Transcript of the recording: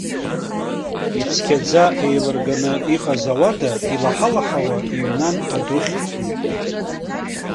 Ицқьаӡа еилырганы иҟаз ауада илаҳа-лаҳауа иҩнан адухьфҩы.